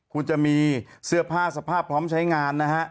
คุณจะมีเสื้อผ้าสภาพพร้อมใช้งานนะฮะ